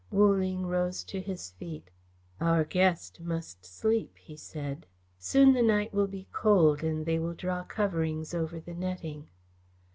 Wu Ling rose to his feet. "Our guest must sleep," he said. "Soon the night will be cold and they will draw coverings over the netting."